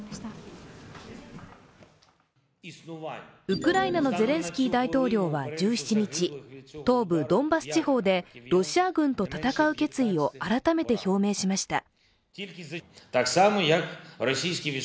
ウクライナのゼレンスキー大統領は１７日東部ドンバス地方でロシア軍と戦う決意を改めて表明しました。